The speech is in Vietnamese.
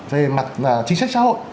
về mặt chính sách xã hội